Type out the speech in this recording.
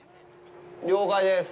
了解です。